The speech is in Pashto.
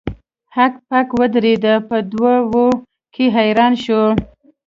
هک پک ودریده په دوه وو کې حیران شو.